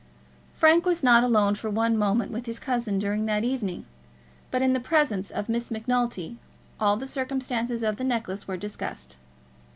Frank was not alone for one moment with his cousin during that evening, but in the presence of Miss Macnulty all the circumstances of the necklace were discussed.